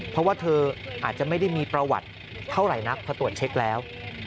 เพราะว่าเธออาจจะไม่ได้มีประวัติเท่าไหร่นักเพราะตรวจเช็คแล้ว